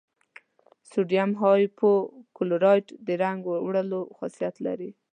سوډیم هایپو کلورایټ د رنګ وړلو خاصیت لري.